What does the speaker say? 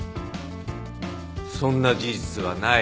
そんな事実はない。